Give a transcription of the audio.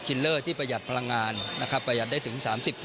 ชินเลอร์ที่ประหยัดพลังงานประหยัดได้ถึง๓๐๔๐